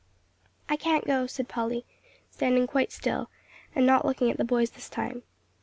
"I can't go," said Polly, standing quite still, and not looking at the boys this time.